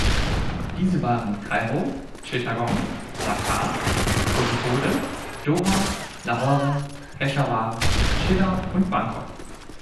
Diese waren Kairo, Chittagong, Dhaka, Kozhikode, Doha, Lahore, Peschawar, Dschidda und Bangkok.